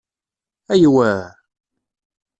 Aywa!